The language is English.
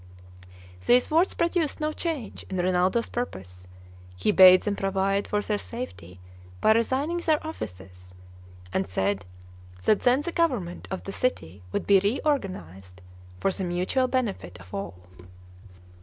These words produced no change in Rinaldo's purpose; he bade them provide for their safety by resigning their offices, and said that then the government of the city would be reorganized, for the mutual benefit of all.